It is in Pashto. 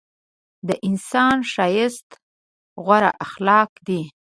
د انسان ښایست غوره اخلاق دي.